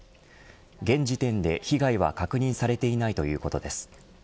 現時点で被害は確認されていないということです。